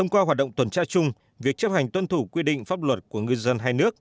quan trọng chung việc chấp hành tuân thủ quy định pháp luật của ngư dân hai nước